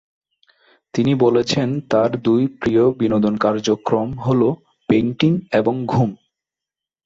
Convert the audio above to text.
তিনি বলেছেন তার দুই প্রিয় বিনোদন কার্যক্রম হলো পেইন্টিং এবং ঘুম।